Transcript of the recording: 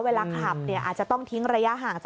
เวลาขับอาจจะต้องทิ้งระยะห่าง